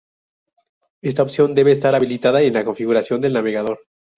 Esta opción debe estar habilitada en la configuración del navegador.